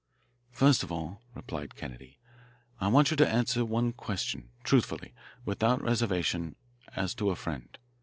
"First of all," replied Kennedy, "I want you to answer one question, truthfully, without reservation, as to a friend.